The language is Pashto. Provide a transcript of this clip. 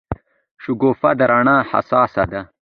شګوفه د رڼا حساسه ده.